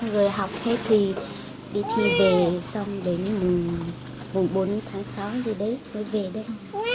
rồi học hết thì đi thi về xong đến bốn tháng sáu rồi về đây